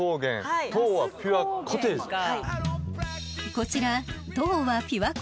［こちら］